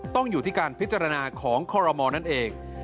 ต้องอยู่ที่การพิจารณาของคอรมอลนั่นเอง